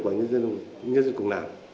và nhân dân cùng làm